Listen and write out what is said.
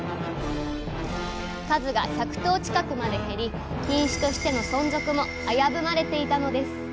数が１００頭近くまで減り品種としての存続も危ぶまれていたのです